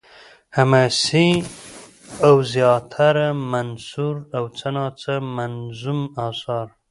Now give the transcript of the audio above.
حماسې او زياتره منثور او څه نا څه منظوم اثار